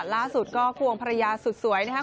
ล่าสุดก็ควงภรรยาสุดสวยนะครับ